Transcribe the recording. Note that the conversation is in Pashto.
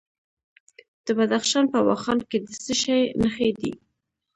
د بدخشان په واخان کې د څه شي نښې دي؟